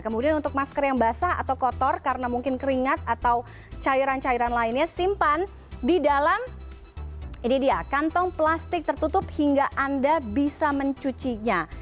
kemudian untuk masker yang basah atau kotor karena mungkin keringat atau cairan cairan lainnya simpan di dalam kantong plastik tertutup hingga anda bisa mencucinya